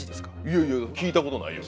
いやいや聞いたことないよ。